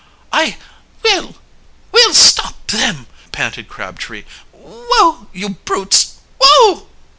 "I will will stop them!" panted Crabtree. "Whoa, you brutes, whoa!"